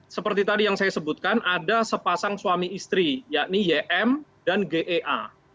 seperti tadi yang saya sebutkan ada sepasang suami istri yakni ym dan gea